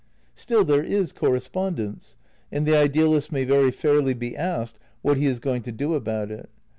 Still there is correspondence, and the idealist may very fairly be asked what he is going to do about it.